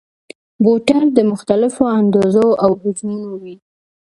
بوتل د مختلفو اندازو او حجمونو وي.